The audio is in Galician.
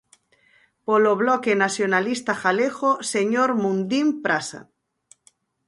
Polo Bloque Nacionalista Galego, señor Mundín Praza.